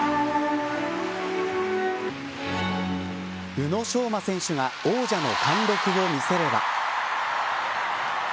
宇野昌磨選手が王者の貫禄を見せれば。